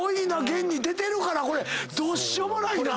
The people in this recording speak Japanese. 現に出てるからこれどうしようもないな。